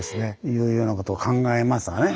いうようなことを考えますわね。